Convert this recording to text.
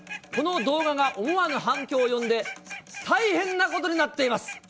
この動画が思わぬ反響を呼んで、大変なことになっています。